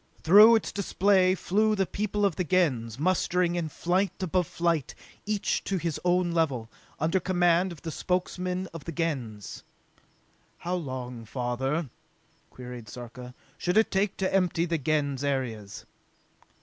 Through its display flew the people of the Gens, mustering in flight above flight, each to his own level, under command of the Spokesmen of the Gens. "How long, father," queried Sarka, "should it take to empty the Gens areas?"